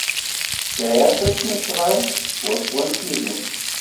Sɛiɣ tasnasɣalt swaswa am tihin.